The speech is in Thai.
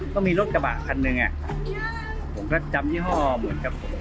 ก็มีรถกระบะคันหนึ่งอ่ะผมก็จำยี่ห้อเหมือนกับ